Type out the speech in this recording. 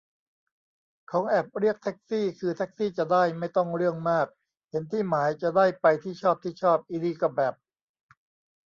ของแอปเรียกแท็กซี่คือแท็กซี่จะได้ไม่ต้องเรื่องมาก เห็นที่หมาย จะได้ไปที่ชอบที่ชอบ อินี่ก็แบบ